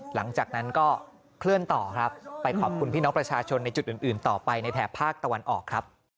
หลังจากนั้นก็เคลื่อนต่อครับไปขอบคุณพี่น้องประชาชนในจุดอื่นต่อไปในแถบภาคตะวันออกครับ